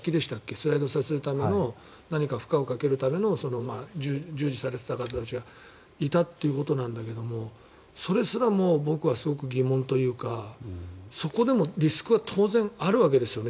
スライドさせるための何か負荷をかけるための従事されていた方がいたということなんだけれどもそれすらも僕はすごく疑問というかそこでもリスクは当然あるわけですよね